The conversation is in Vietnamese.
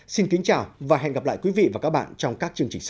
xin kính chào và hẹn gặp lại quý vị và các bạn trong các chương trình sau